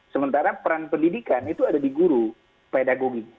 sementara peran pendidikan itu ada di guru pedagoging